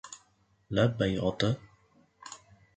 — Labbay, ota?